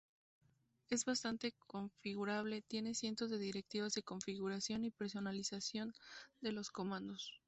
Es bastante configurable: tiene cientos de directivas de configuración y personalización de los comandos.